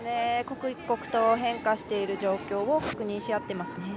刻一刻と変化している状況を確認し合っていました。